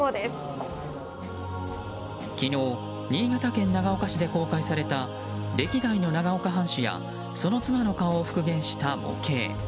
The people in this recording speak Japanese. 昨日新潟県長岡市で公開された歴代の長岡藩主やその妻の顔を復元した模型。